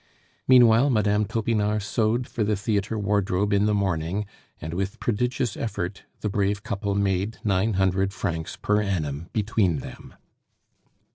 Meantime, Mme. Topinard sewed for the theatre wardrobe in the morning; and with prodigious effort, the brave couple made nine hundred francs per annum between them.